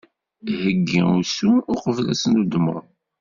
Heggi usu, uqbel ad tennudmeḍ.